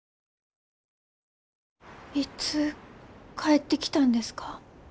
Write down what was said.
いつ帰ってきたんですか？